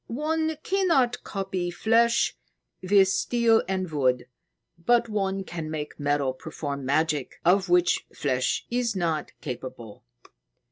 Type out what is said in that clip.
"One cannot copy flesh with steel and wood, but one can make metal perform magic of which flesh is not capable.